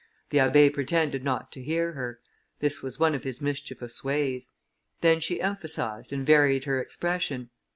The Abbé pretended not to hear her; this was one of his mischievous ways; then she emphasized, and varied her expression.